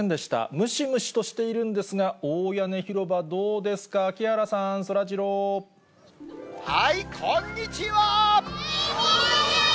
ムシムシとしているんですが、大屋根広場、どうですか、木原さこんにちは。